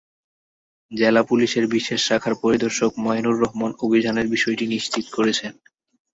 জেলা পুলিশের বিশেষ শাখার পরিদর্শক মইনুর রহমান অভিযানের বিষয়টি নিশ্চিত করেছেন।